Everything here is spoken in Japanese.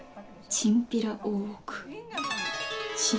チンピラ大奥。